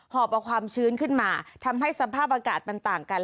อบเอาความชื้นขึ้นมาทำให้สภาพอากาศมันต่างกัน